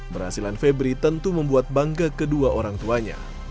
berhasilan febri tentu membuat bangga kedua orang tuanya